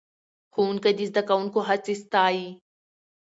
ښوونکی د زده کوونکو هڅې ستایي